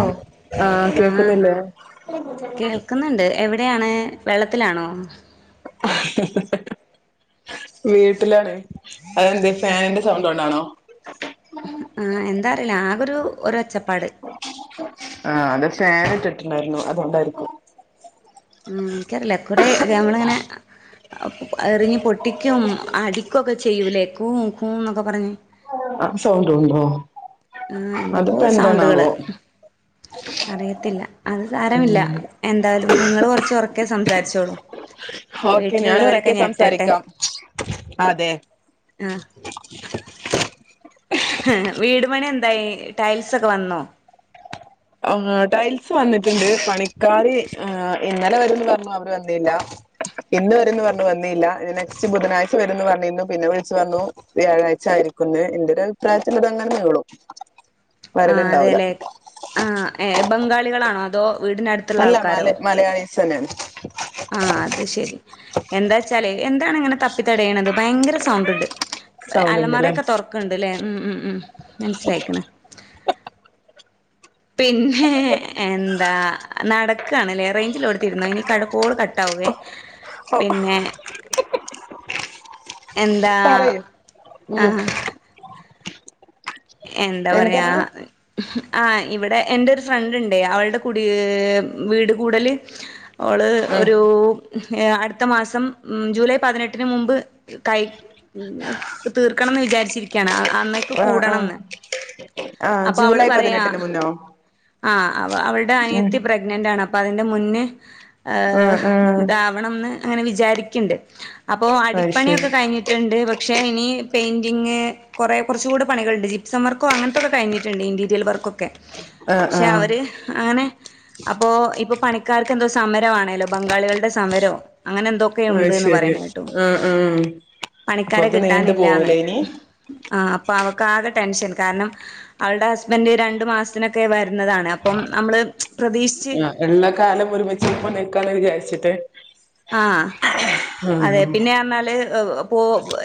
ഓ ആഹ ആഹ് കേക്കുന്നില്ലേ കേൾക്കുന്നുണ്ട് എവിടെയാണ് വെള്ളത്തിലാണോ വീട്ടിലാണ് അതെന്ത് ഫാനിന്റെ സൗണ്ട് കൊണ്ടാണോ ഓരോച്ച ആഹ അത് ഫാന് ഇട്ടിട്ടാ ണ്ടായിരുന്നു അതൊണ്ടായിരിക്കും. ഉം എനിക്കറില്ല കൂടെ നമ്മളിങ്ങനെ എറിഞ്ഞ് പൊട്ടിക്കും അടിക്കൊക്കെ ചെയ്യൂലേ കൂ കൂം ന്നൊക്കെ പറഞ്ഞ് ആ സൗണ്ട് ഉണ്ടോ ആഹ എന്തൊക്കോ അതിപ്പോ സൗണ്ടുകള് എന്താണാവോ അറിയത്തില്ല അത് സാരമില്ല എന്തായാലും നിങ്ങള് കൊറച്ച് ഉറക്കേ സംസാരിച്ചോളൂ ഓക്കെ ഞാൻ വീട്ടിലുള്ളവരൊക്കെ ഉറക്കെ ഞെട്ടട്ടെ സംസാരിക്കാം അതെ ആ വീടു പണി എന്തായി ടൈൽസൊക്കെ വന്നോ ആ ടൈൽസ് വന്നിട്ടുണ്ട് പണിക്കാര് ഇന്നലെ വരും ന്ന് പറഞ്ഞു അവര് വന്നില്ല ഇന്ന് വരും ന്ന് പറഞ്ഞു വന്നില്ല നെക്സ്റ്റ് ബുധനാഴ്ച വരും ന്ന് പറഞ്ഞിന്നു. പിന്നെ വിളിച്ചു പറഞ്ഞു വ്യാഴാഴ്ച ആയിരിക്കോന്ന് എന്റെ ഒരു അഭിപ്രായത്തി അത് അങ്ങനെ നീളും ആ വരലുണ്ടാവൂല അതെല്ലേ ആഹ ഏ ബംഗാളികളാണോ അതോ? വീടിനടുത്തുള്ള അല്ല മല മലയാളി- സ്തന്നെയാണ്- ആ അത് ശരി എന്താ ച്ചാലെ എന്താണ് ഇങ്ങനെ- തപ്പി തടയണത് ഭയങ്കര- സൗണ്ട് ഉണ്ട്- സൗണ്ട് ഉണ്ടല്ലേ അലമാറൊക്കെ തൊറക്കണ് ണ്ട്ല്ലേ ഉം ഉ ഉം മനസ്സിലായിക്കണ്- പിന്നെ എന്താ നടക്കാണ്ലേ റേഞ്ചിള്ളോട്ത്തിരുന്നോ ഇനി കഴ ക്കോള് കട്ടാവേ പിന്നെ എന്താ പറയ് ഉം ആഹ് എന്താ പറയാ എന്തർഞ്ഞ് ആ ഇവിടെ എന്റെ ഒരു ഫ്രണ്ട്ണ്ടേ അവൾടെ കുടീ വീട് കൂടല് അവള് ആഹ് ഒരു അടു ത്ത മാസം ജൂലൈ പതിനെട്ടിന് മുമ്പ് കൈ തീർക്കണംന്ന് വിചാരിച്ചിരിക്കയാണ് അ അന്നേക്ക് ആഹ് ആഹ് കൂടണംന്ന്. ആഹ് അപ്പൊ അവള് ജൂലൈ പറയാ പതിനെട്ടിന് മുന്നോ ആ അവ അവൾടെ ഉം അനിയത്തി പ്രഗ്നന്റാണ് അപ്പ അതി [unintelligible] മുന്നേ ഏ ആഹ് ആഹ് ഇതാവണംന്ന്. അങ്ങനെ വിചാരിക്കിണ്ട്. അപ്പോ അത് ശരി അടിപ്പണിയൊക്കെ കഴിഞ്ഞിട്ടുണ്ട് പക്ഷേ ഇനി പെയിന്റിംഗ് കൊറേ കൊർച്ചുകൂടെ പണികൾണ്ട് ജിപ് സംവർക്കോ അങ്ങൻത്തൊക്കെ കഴിഞ്ഞിട്ടണ്ട് ഇൻറീരിയൽ വർക്കൊക്കെ. ആഹ് ക്ഷെ ആഹ് അവര് അങ്ങനെ അപ്പൊ ഇപ്പ പണി ക്കാർക്കെന്തോ സമരവാണേലോ ബംഗാളികളുടെ സമരോ. അങ്ങനെന്തൊക്കെയോ അത് ഉണ്ട്ന്ന് ശരി പറയണ കേട്ടു. ആഹ് ആഹ് അപ്പൊ പണിക്കാരെ അത് നീണ്ടു കിട്ടാനില്ലാന്ന് പോവൂലേ ഇനി ആ അപ്പൊ അവ [unintelligible] ടെൻഷൻ കാരണം, അവളുടെ ഹസ്ബൻഡ് രണ്ടു മാസത്തിനൊക്കെ വരുന്നതാണ് അപ്പം നമ്മള് പ്രതീക്ഷിച്ച് ആ ഉള്ള കാലം ഒരുമിച്ച് ഇപ്പ നിക്കാന്ന് വിചാരിച്ചിട്ട് ആ അതെ ആഹ് പിന്നേന്നാല് പോ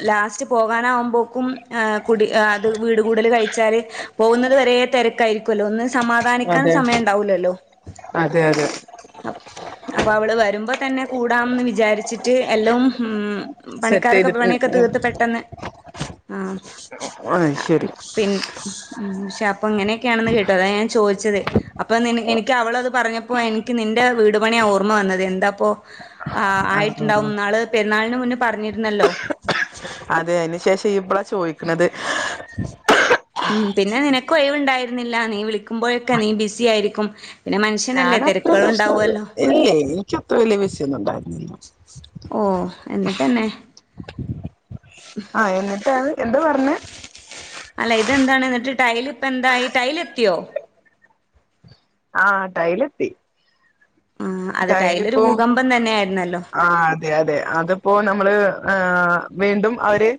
ലാസ്റ്റ് പോകാനാകുമ്പോക്കും കുടി അത് വീട് കൂടൽ കഴിച്ചാല് പോകുന്നത് വരേ തെരക്കായിരിക്ക്വല്ലോന്ന്. സമാധാനിക്കാൻ അതെ സമയം ഉണ്ടാവൂലല്ലോ. അതെ അതെ അ അപ്പൊ അവള് വരുമ്പത്തന്നെ കൂടാംന്ന് വിചാരിച്ചിട്ട് എല്ലോം ഉം സെറ്റ് പണിക്കാരൊക്കെ ചെയ്തിട്ട് പണിയൊക്കെ തീർത്ത് പെട്ടെന്ന് ആ അത് അ ശരി പിൻ ശ പ്പോ ഇങ്ങനെക്കെയാണെന്ന് കേട്ടു അതാ ഞാൻ ചോദിച്ചത് അപ്പോ നിന് എനിക്ക് അവളത് പറഞ്ഞപ്പോ എന ക്ക്‌ നിന്റെ വീടു പണിയാ ഓർമ്മ വന്നത് എന്താപ്പൊ ആ ആഹ് ആയിട്ട്ണ്ടാവും ആഹ് ന്നാള് പെ ന്നാളിന് മുന്നേ പറഞ്ഞിരുന്നല്ലോ. അതെ അയിന് ശേഷം ഇപ്പളാ ചോദിക്കണത്. ഉം പിന്നെ നിനക്ക് ഒഴിവുണ്ടായിരുന്നില്ല നീ വിളിക്കുമ്പോഴൊക്കെ നീ ബിസി ആയിരിക്കും. പിന്നെ മനുഷ്യനല്ലേ ഞാനത്ര തിരക്കുകൾ പ്രശ്നം ഉണ്ടാവുമല്ലോ ഇല്ലേ എനിക്കത്ര വല്ല്യ വിഷയോന്നുണ്ടായിരുന്നില്ല. എന്നിട്ടന്നെ ആ എന്നിട്ടത് എന്താ പ പറഞ്ഞു അല്ല ഇതെന്താണ് എന്നിട്ട് ടൈലിപ്പന്തായി ടൈൽ എത്തിയോ? ആ ടൈലെത്തി. ആ അതെ ടൈലൊരു ടൈലിപ്പോ ഭൂകമ്പം തന്നെ ആയിരുന്നല്ലോ ആ അതെ അതെ അതിപ്പോ നമ്മള് ആ വീണ്ടും അവര്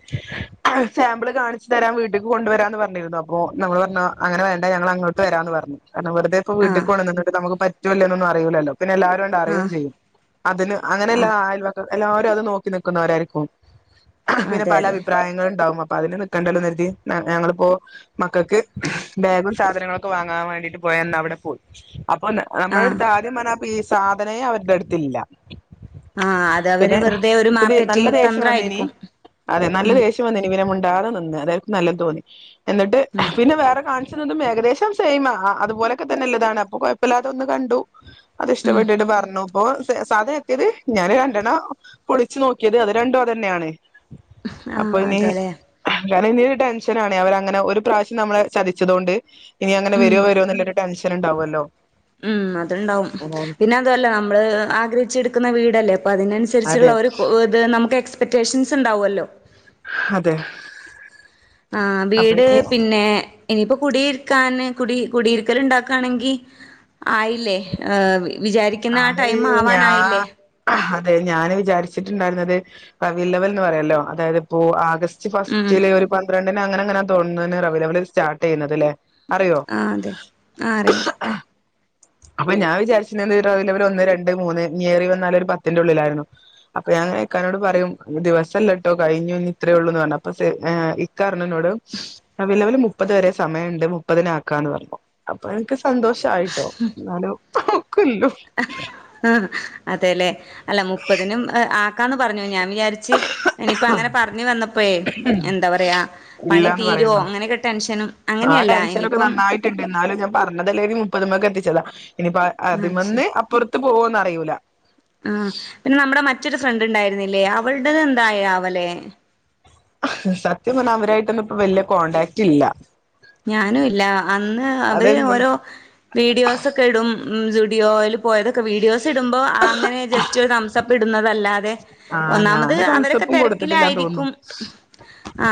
സാമ്പിള് കാണിച്ചു തരാൻ വീട്ടക്ക് കൊണ്ടുവരാന്ന് പറഞ്ഞിരുന്നു അപ്പോ നമ്മൾ പറഞ്ഞ അങ്ങനെ വേണ്ട ഞങ്ങൾ അങ്ങോട്ട് വരാന്ന് പറഞ്ഞു കാരണം വെർ ഇപ്പ ആ വീട്ടിൽ കൊണ്ടാനുട്ടുണ്ട് നമുക്ക് പറ്റൂ ഇല്ലേ ഒന്നും അറിയി അറിയില്ലല്ലോ പിന്നെ എല്ലാരും വ ആ അറിയയും ചെയ്യും അതിന് ആ അങ്ങനെല്ല ആയൽവക്ക എല്ലാവരും അത് നോക്കി നി ക്കുന്നവരായിരിക്കും പിന്നെ അതെ പല അതെ അഭിപ്രായങ്ങള ഉണ്ടാാവും അപ്പ അതിന് നിൽക്കേണ്ടല്ലോ കരുതി ഞങ്ങളിപ്പോൾ മക്കൾക്ക് ബാഗും സാധനങ്ങളൊക്കെ വാങ്ങാൻ വേണ്ടിട്ട് പോയന്ന അവിടെ പോയി അപ്പൊ ആ നമ്മളടുത ആദ്യ മന ഈ സാധനെ അവരുടെ അടുത്തില്ല ആഹ് അത് അവര് പിന്നെ വെറുതെ ഒരു ഇ നല്ല മാർക്കറ്റിംഗ് ദേഷ്യം വന്ന്നി തന്ത്രായിരിക്കും അതെ നല്ല ഉം ദേഷ്യം വന്ന്നി മുണ്ട മൂണ്ടാതെ നിന്നു അതായിർക്കും നല്ല തോന്നി എന്നിട്ട് ഉം പിന്നെ വേറെ കാ ഏകദേശം സെയിമ അതുപോലെക്കെ നല്ലതാണ് അപ്പൊ കൊഴപ്പമില്ല തൊന്ന് കണ്ടു അത് ഉം ഇഷ്ടപ്പെട്ടിട്ട് പറഞ്ഞു അപ്പൊ സാധ എത്തിയത് ഞാന് രണ്ടെണ്ണം പൊളിച്ചച്ച് നോക്കിയത് അത് രണ്ടും അതൂതന്നെയാണ് ആ അതെല്ലേ കാരണം ഇനരു ടെൻഷൻ ആണ് അവര അങ്ങനെ ഒരു പ്രാവശ്യം നമ്മള് ചതിച്ചതുകൊണ്ട് ഇനി അങ്ങനെ ഉം വരുോ വരുോ ഇല്ലാരു ടെൻഷൻ ഉണ്ടാവുമല്ലോ ഉം അത്ണ്ടാവും അതാണ് പിന്നെ അതല്ലേ നമ്മള് ആഗ്രഹിച്ച എടുക്കുന്ന വീടല്ലേ അപ്പൊ അതെ അതിനനുസരിച്ചുള്ള ഒരു ഇത് നമുക്ക് എക് എക്സ്പെക്റ്റേഷൻസ് ഉണ്ടാവുമല്ലോ അതെ ആഹ അപ്പൊ വീട് ഇനി പിന്നെ ഇനിയിപ്പോ കുടിയിരിക്കാന് കുടി കുടിയിരിക്കൽ ഉണ്ടാക്കാണെങ്കിൽ ആയില്ലേഹ് വിചാരിക്കുന്ന ആ ടൈം ആവാനായില്ലേ അത ഞാൻ വിചാരിച്ചിട്ടുണ്ടായിരുന്നത് ക വില്ലവൽ എന്ന് പറയല്ലോ അതായത് ഇപ്പോ ആസ് ഉം ജലൈ ഒരു പന്ത്രണ്ട് അങ്ങനെ അങ്ങനെയ തോന്ന അവൈലബി സ്റ്റർട്ട് ചെയ്യുന്നത് അല്ലെ ആ അതെ ആ അറിയാം അപ്പൊ ഞാൻ വിചാരിച്ച വിലവൽ ഒന്ന് രണ്ട് മൂന്ന് നേറി വന്നാല ഒരു പത്തിറെ ഉള്ളിലായിരുന്നു അപ്പൊ ഞങ്ങനക്കാനോട് പറയും ദിവസംല്ലോട്ടോ കഴിഞ്ഞഞ് ഇത്രയേ ഉള്ളൂന്ന് പറഞ്ഞു അൊ ഇക്കാരനോട് വിലവൽ മുപ്പത് വരെ സമയംുണ്ട് മുപ്പതിന ആക്കാംന്ന് പറഞ്ഞു അപ്പൊ എനിക്ക് സന്തോഷായിട്ടോ [unintelligible] ആഹേ അതെല്ലേ അല്ല മുപ്പതിനുംമം ആ ആക്കാന്ന് പറഞ്ഞു ഞാൻ വിചാരിച്ച് ഇനിയിപ്പോ ആ അങ്ങനെ പറഞ്ഞു വന്നപ്പോേ എന്താ പറയാ പണി ഇല്ലാന്ന് തീരുമോ പറയുന്നു അങ്ങനെയൊക്കെ ടെൻഷനും ആ അങ്ങനെയല്ല ഡാൻഷനൊക്കെ ഇനിയിപ്പം നന്നായിട്ടുണ്ട് ഞാൻ പറഞ്ഞതല്ലേനി മുപ്പതുമക്കെ കത്തിച്ചതാ ഇനിപ്പ ആ, അത് ശരി അതിമന്ന് അപ്പുറത്ത് പോവന്ന് അറിയിയുല ആഹ് പിന്നെ നമ്മുടെ മറ്റൊരു ഫ്രണ്ട് ഉണ്ടായിരുന്നില്ലേ അവളടത് എന്തായ അവലെ സത്യം പറഞ്ഞ അവരായിട്ടൊന്നും ഇപ്പൊ വല്യ കോണ്ടടാക്ട് ഇല്ല ഞാനും ഇല്ല അന്ന് അവര് അതെന്നെ ഓരോ വീഡിയോസൊക്കെ ഇടും സുഡിയോ ഓയിൽ പോയതൊക്കെ വീഡിയോസ് ഇടുമ്പോ അങ്ങനെ ജസ്റ്റ് നഷ്ടപ്പെടുന്നതല്ലത അതെ ആഹ് ഒന്നാമത് ഞാന് അവരൊക്കെ തംസപ്പും കൊടുത്തിട്ടില്ലാന്ന് തിരക്കിലായിരിക്കും തോന്നുന്നു ആ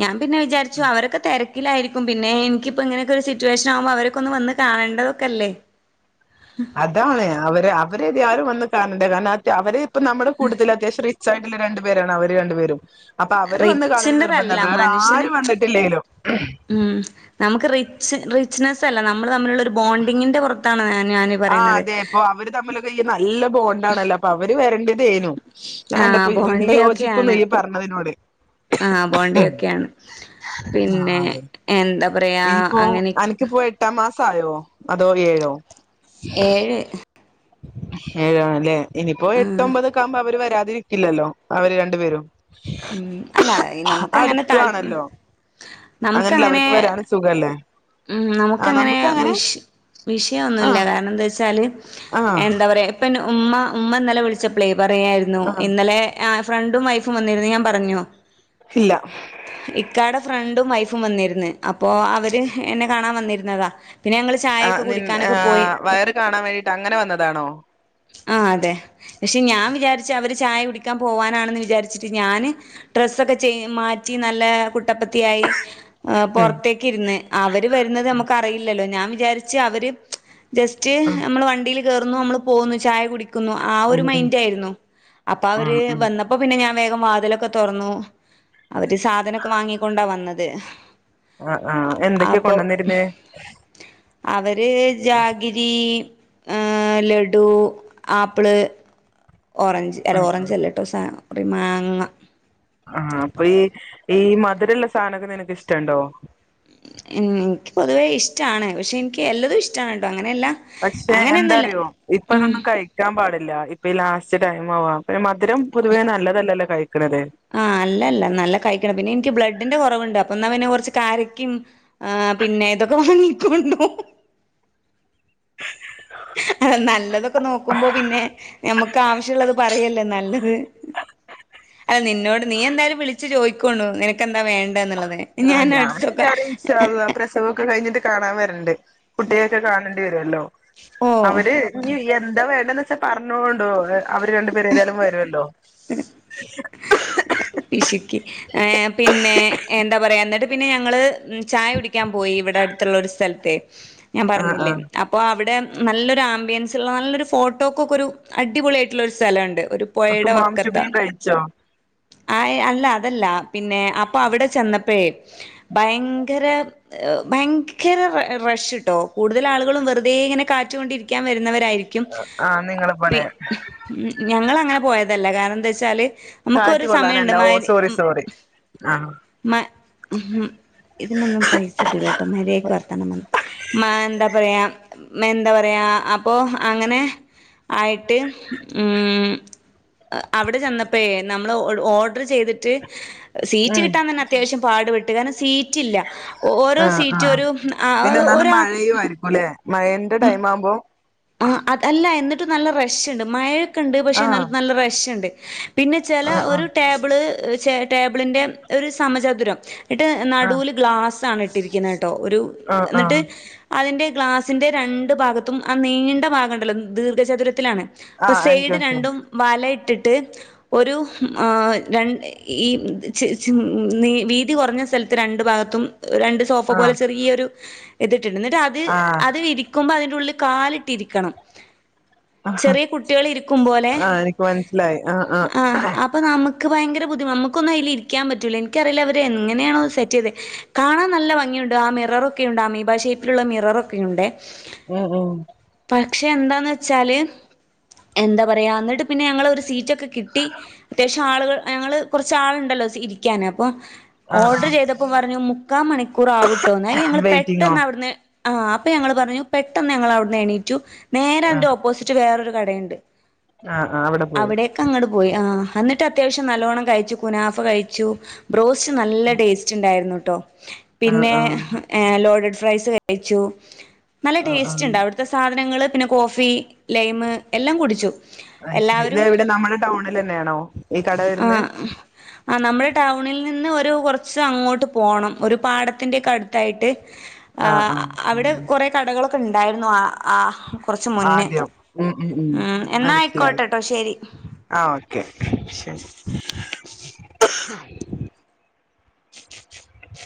ഞാൻ പിന്നെ വിചാരിച്ച അവരെക്കെ തിരക്കിലായിരിക്കും പിന്നെ എനിക്കിപ്പ ഇങ്ങനെയൊക്കെ ഒരു സിറ്റുവേഷൻ ആകുമ്പോൾ അവരെക്കൊ ഒന്ന് വന്ന് കാണേണ്ടതോകല്ലേ അതാണ് അവര് അവര്ആരും വന്ന് കാണണ്ടേ കാരണം അവര് അപ്പ നമ്മള് കൂടത അത്യാശം റിച്ചൺ നിങ്ങരണ്ട് പേരാണ് അവര് രണ്ടുപേരും അപ്പൊ അവര് വന്ന് കാണൽനിർബന്ധ റിച്ചിന്റെതല്ല വേറെ മനുഷ്യന് ആരും വന്നിട്ടില്ലലോ ച്ച് റിച്ച്നസ് അല്ല നമ്മള് തമ്മിലുള്ള ഒരു ബോണ്ടിങ്ങിന്റെ പുറത്താണ്. ഞാന് ആ പറയുന്നത് അതെ ഇപ്പൊ അവര് തമ്മിലൊക്കെ ഈ നല്ല ബോണ്ട ആണല്ലോ അപ്പൊ അവര് വരണ്ട് തെനു ഞാൻ അന്റെ ആഹ് നിയോജിക്കുന്നു ബോണ്ടയൊക്കെയാണ് ഇയ് പറഞ്ഞതിനോട് ആഹ് ബോണ്ടയൊക്കെയാണ് ആ പിന്നെ അതെ എന്താ പറയാ ഇനിപ്പോ അങ്ങനെ അനക്ക്പ്പോ എട്ടാം മാസം ട്ടായോ അതോ ഏഴോ ഏഴ് ഏഴാണല്ലേ ഇനിപ്പോ ആഹ് എട്ടൊമ്പതൊക്കകുമ്പോ അവ വരാ തിരിക്കില്ലല്ലോ അവര് രണ്ടുപേരും മംഅല്ല നമുക്ക് അങ്ങനെ അടുത്തു താൽ ആണല്ലോ നമുക്ക് അങ്ങനെയല്ല അങ്ങനെ അവർക്ക് വരാനും സുഖല്ലേ മം നമുക്ക് അങ്ങനെ വിഷ ആ വിഷയൊന്നുല്ല കാരണം എന്താവച്ചാല് ആ എന്താ പറയാ ഇപൻ ഉമ്മ ഉമ്മ ഇന്നലെ വിളിച്ചപ്പളേ പറയാരുന്നു ആ ഇന്നലെ ആ ഫ്രണ്ടും വൈഫും വന്നിരുന്നു ഞാൻ പറഞ്ഞോ ഇല്ല ഇക്കാടെ ഫ്രണ്ടും വൈഫും വന്നിരുന്ന് അപ്പോ അവര് എന്നെ കാണാൻ വന്നിരുന്നതാ പിന്നെ ഞങ്ങള് ആ ചായയൊക്കെ നിന്ന കുടിക്കാനൊക്കെ പോയി വയറ് കാണാൻ വേണ്ടിട്ട് അങ്ങനെ വന്നതാണോ ആ അതെ പക്ഷെ ഞാൻ വിചാരിച്ചെ അവര് ചായ കുടിക്കാൻ പോവാനാണെന്ന് വിചാരിച്ചിട്ട് ഞാന് ഡ്രസ്സൊക്കെ ചെയ് മാറ്റ് റ്റി നല്ല കുട്ടപ്പത്തിയായി അ ഉം പൊറത്തേക്ക് ഇരുന്ന് അവര് വരുന്നത് നമുക്ക് അറിയില്ലല്ലോ ഞാ ൻ വിചാരിച്ച് അവര് ജസ്റ്റ് ആ നമ്മൾ വണ്ടീല് കേറുന്നുു നമ്മള് പോന്നു ചായ കുടി - ക്കുന്നു ആ ഒരു ഉം ഉം മൈൻ്റായിരുന്നു അപ്പ ആ അവര് ഉം വന്നപ്പോ പിന്നെ ഞാൻ വേഗം വാതിലൊക്കെ തുറന്നു അവര് സാധനൊക്കെ വാങ്ങിക്കൊണ്ടാ വന്നത് ആ ആ എന്തൊക്കെയാ കൊണ്ടുവന്നിരുന്നേ അവ ര് ജാഗിരി ലഡു ആപ്പിള് ഓറഞ്ച് അല്ല ആഹ് ഓറഞ്ച് ആഹ് അല്ലട്ടോ ഒരു സാനോ ഒരു മാങ്ങ ആ അപ്പൊ ഈ ഈ മധുരമുള്ള സാധനൊക്കെ നിനക്ക് ഇഷ്ടണ്ടോ എനിക്ക് പൊതുവേ ഇഷ്ടാണ് പക്ഷെ എനിക്ക് എല്ലതും ഇഷ്ടാണ് കേട്ടോ പക്ഷെ എന്തറിയോ ഇപ്പ ഉം അതൊന്നും കഴിക്കാൻ പാടില്ല. ഇപ് ലാസ്റ്റ് ടൈമാവാ. പിന്നെ മ മധുരം പൊതുവെ നല്ലതല്ല കഴി ആ അല്ല അല്ല നല്ല കഴിക്കണം പിന്നെ എനിക്ക് ബ്ലഡ് അതിന്റെ കുറവുണ്ട് അപ്പൊ എന്നാ പിന്നെ കുറച്ച് കാരറ്റ് ആ പിന്നെ ഇതൊക്കെ വാങ്ങിക്കൊണ്ടോ അ നല്ലതൊക്കെ നോക്കുമ്പോ പിന്നെ ഞമ്മക്ക് ആവശ്യ ഒള്ളത് പറയല്ലേ നല്ലത്. അല്ല നിന്നോട് നീ എന്തായാലും വിളിച്ചു ചോയിക്കണു നിനക്ക് എന്താ വേണ്ടേന്നുള്ളത്. ആ ഞാൻ ഞാൻ ഇൻഷാ അള്ളാ പ്രസവ ഒക്കെ കഴിഞ്ഞിട്ട് കാണാൻ വരണ്ട് കുട്ടികൊക്കെ കാണേണ്ടി വരുമല്ലോ ഓ അവര് എന്താ വേണ്ടെ എന്തന്ന് വെച്ചാൽ പറഞ്ഞോണ്ടോ അവര് രണ്ടു പേർ ഏതായാലും വരുവല്ലോ [inaudible] [inaudible] പിശുക്കി ഏ പിന്നെ എന്താ പറയാ എന്ന പിന്നെ ഞങ്ങളു ചായ ഞാൻ പോയി ഇവിടെ അടുത്തുള്ള ഒരു സ്ഥലത്തെ ഞാൻ ആഹ് പറഞ്ഞില്ലേ ആഹ് അപ്പൊ അവിടെ നല്ലൊരു ആംബിയൻസ ഉള്ള നല്ലൊരു ഫോട്ടോക്കൊക്കെ ഒരു അടിപൊളിയ ആായിട്ടുള്ളൊരു സ്ഥലമുണ്ട് ക്കമാമ ച ബി കഴച്ച [unintelligible] ആ് അല്ല അതല്ല പിന്നെ അപ്പൊ അവിടെ ചെന്ന ഭയങ്കര ഭയങ്കര റഷ ഇട്ടോ കൂടുതൽ ആളുകളും വെറുതെ ഇങ്ങനെ കാറ്റുകൊണ്ടിരിക്കാൻ വരുന്നവരായി ആഹ് നിങ്ങളെ പോലെ [unintelligible] പോയതല്ല കാരണം എന്താ വെച്ചാല് നമുക്ക് കാറ്റ് ഒരു സമയമുണ്ട് കൊള്ളാനല്ല ഓ സോറി സോറി ആഹ് ഇതിനൊന്നും പൈസ ഇട്ടൂില്ല കേട്ടോ മരിയക്ക് വ എന്താ പറയാ അപ്പൊ അങ്ങനെ ആയിട്ട് ഉ അവിടെ ചെന്നപ്പോ നമ്മൾ ഓർഡർ ചെയ്തിട്ട് സീറ്റ് ഉം കിട്ടാ തന്നെ അത്യാവശ്യ പാടുപട്ട് െ [unintelligible] സീറ്റില്ല ഓരോ ആഹ് സീറ്റ് ആഹ് ഒരു പിന്നെ ഒന്നാമത് മഴയു ആയിരിക്കുംല്ലേ മഴന്റെ ടൈം ആവുമ്പോ ആ അത് അല്ല എന്നിട്ട് നല്ല റഷ് ഉണ്ട് മഴ ഒക്ക ഉണ്ട് പക്ഷെ ആഹ് നല്ല നല്ല റഷ് ഉണ്ട് പിന്നെ ചില ആഹ് ഒരു ടേബിള്ർ ടേബിളിന്റെ ഒരു സമചതുരം എന്നിട്ട് ആഹ് നടുവൽ ഗ്ലാസ്സാണ് ഇട്ടിരിക്കുന്നത് കേട്ടോ ഒരു ആഹ് എന്നിട്ട് ആഹ് അതിൻ്റെ ഗ്ലാസിന്റെ രണ്ട് ഭാഗത്തും ആ നീണ്ട ഭാകണ്ടല്ലോ ദീർഘചതുരത്തിലാണ് ആഹ് അപ്പൊ ആഹ് എനിക്ക് മനസ്സിലായി സൈയഡ് രണ്ടും വല ഇട്ടിട്ട് ട്ട് ഒരു ഈ വീതി കുറഞ്ഞ സ്ഥലത്ത് രണ്ടു ഭാഗത്തും രണ്ട് സോഫ ആഹ് പോലെ ചെറിയൊരു ഇത് ഇട്ടിട്ട് അത് അത് വിരിക്കുമ്പോ അതി ഉള്ള കാലിട്ടിരിക്കണം ആഹ് ചെറിയ കുട്ടികൾ ഇരിക്കും പോലെ ആഹ് എനിക്ക് മനസ്സിലായി ആഹ് ആഹ് ആഹ അപ്പൊ നമുക്ക് നമുക്ക് ഭയങ്കര ബുദ്ധി നമുക്കൊന്ന് അയില് ഇരിക്കാൻ പറ്റൂല എനിക്കറിയില്ല അവരെ എങ്ങനെയണോ സെറ്റ് ചെയ്തത് കാണാൻ നല്ലംഗിയുണ്ട് ആ മിറർഒക്കെയുണ്ട്. ആ അമീബാഷേപ്പിലുള്ള മിറർഒക്കെയുണ്ട്. ഉം ഉം പക്ഷെ എന്താന്ന് വെച്ചാൽ എന്താ പറയുക എന്നിട്ട് പിന്നെ ഞങ്ങള ഒരു സീറ്റൊക്കെ കിട്ടി അത്യാവശ്യം ആളുകൾ ഞങ്ങൾ കുറച്ച് ആളുണ്ടല്ലോ ഇരിക്കാൻ അപ്പൊ ആഹ് ഓർഡർ ആഹ് ചെയ്തപ്പോം പറഞ്ഞു മുക്കാ മണിക്കൂർ ആവും. ട്ടോന്നാല് ഞങ്ങളെ വെയിറ്റിങ്ങോ പെട്ടെന്ന് അവീട്ന്ന് ആഹ് അപ്പൊ ഞങ്ങള് പറഞ്ഞു പെട്ടന്ന് നേണീറ്റു ആഹ് നേരെന്റെഓപ്പോസിറ്റ് വേറൊരു കടയുണ്ട് ആഹ് ആഹ് അവിടെ പോയി അവിടെയൊക്ക അങ്ങട് പോയി ആഹ്. എന്നിട്ട് അത്യാവശ്യം നല്ലോണ്ണം കഴിച്ചു കുനാഫ കഴിച്ചു ബ്രോസ് ച്ച് നല്ല ടേസ്റ്റ്ണ്ടായിരുന്നു. ട്ടോ ആഹ് പിന്നെ ആഹ് ലോഡട് ഫ്രൈസ് കഴിച്ചു. നല്ല ആഹ് ടേസ്റ്റ് ആഹ് ഇണ്ട് അവിട് [unintelligible] പിന്നെ കോഫി ലൈമ് എല്ലാം കുടിച്ചു. അത് ശരി ഇത് എല്ലാവരും എവിടെ നമ്മുടെ ടൗണിലന്നെയാണോ ഈ കട വരുന്നേ ആ നമ്മുടെ ടൗണിൽ നിന്ന് ഒരു കൊറച്ച് അങ്ങോട്ട് പോണം ഒരു പാടത്തിൻ്റെക്ക അടുത്തായിട്ട് ആ ആഹ് ആഹ് അവിടെ കൊറെ കടകളും [unintelligible] ഇണ്ടായിരുന്നു ആ ആഹ്. ആദ്യം ഉം ഉം മ് എന്നാ മനസിലായി ആയിക്കോട്ടെട്ടോ ശരി. ആ ഓക്കെ ശെരി